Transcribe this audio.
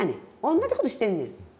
同じことしてんねん。